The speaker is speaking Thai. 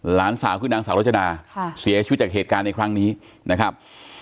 หลานสาวคือนางสาวรจนาเสียชีวิตจากเหตุการณ์ในครั้งนี้นะครับ